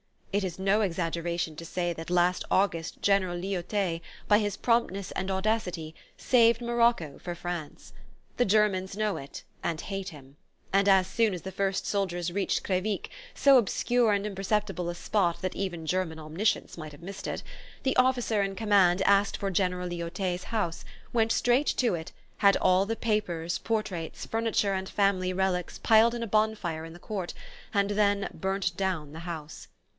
It is no exaggeration to say that last August General Lyautey, by his promptness and audacity, saved Morocco for France. The Germans know it, and hate him; and as soon as the first soldiers reached Crevic so obscure and imperceptible a spot that even German omniscience might have missed it the officer in command asked for General Lyautey's house, went straight to it, had all the papers, portraits, furniture and family relics piled in a bonfire in the court, and then burnt down the house.